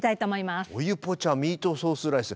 お湯ポチャミートソースライス。